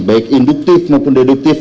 baik induktif maupun deduktif